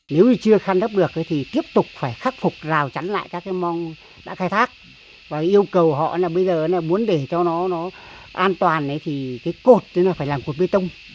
nếu như chưa khăn đắp được thì tiếp tục phải khắc phục rào chắn lại các cái mong đã khai thác và yêu cầu họ là bây giờ muốn để cho nó an toàn thì cái cột tức là phải làm cột bê tông